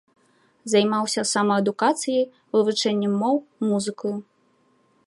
Займаўся самаадукацыяй, вывучэннем моў, музыкаю.